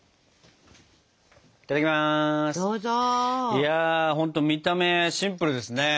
いやほんと見た目シンプルですね。